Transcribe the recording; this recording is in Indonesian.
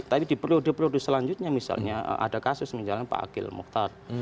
tapi di periode periode selanjutnya misalnya ada kasus misalnya pak akil mukhtar